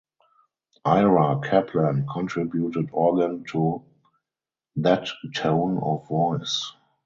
Ira Kaplan contributed organ to "That Tone of Voice".